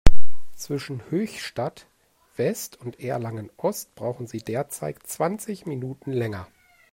Zwischen Höchstadt-West und Erlangen-Ost brauchen Sie derzeit zwanzig Minuten länger.